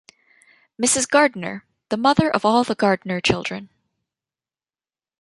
Mrs. Gardiner: The mother of all the Gardiner children.